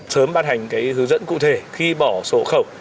sớm ban hành hướng dẫn cụ thể khi bỏ sổ khẩu